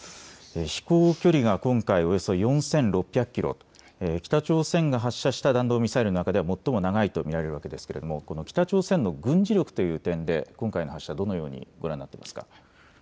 飛行距離が今回およそ４６００キロ、北朝鮮が発射した弾道ミサイルの中では最も長いと見られるわけですが北朝鮮の軍事力という点で今回の発射、どのようにご覧になっていますか。